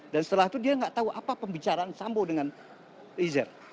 dan setelah itu dia nggak tahu apa pembicaraan sambo dengan izzer